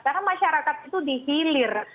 karena masyarakat itu dihilir